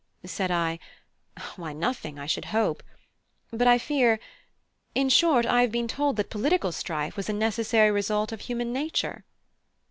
Said I: "Why, nothing, I should hope. But I fear In short, I have been told that political strife was a necessary result of human nature."